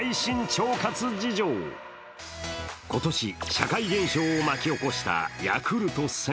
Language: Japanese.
今年、社会現象を巻き起こしたヤクルト１０００。